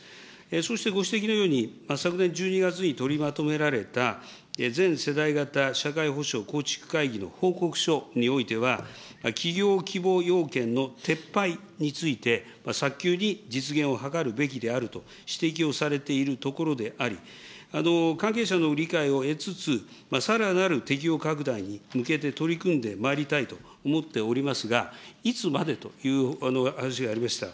そしてご指摘のように、昨年１２月に取りまとめられた全世代型社会保障構築会議の報告書においては、企業規模要件の撤廃について、早急に実現を図るべきであると指摘をされているところであり、関係者の理解を得つつ、さらなる適用拡大に向けて取り組んでまいりたいと思っておりますが、いつまでという話がありました。